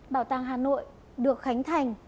bảo tàng hà nội được khánh thành